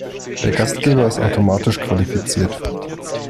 Der Gastgeber ist automatisch qualifiziert.